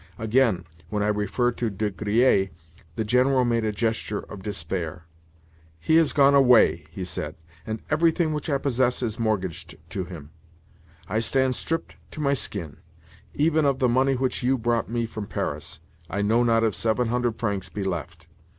Again, when I referred to De Griers, the General made a gesture of despair. "He has gone away," he said, "and everything which I possess is mortgaged to him. I stand stripped to my skin. Even of the money which you brought me from Paris, I know not if seven hundred francs be left.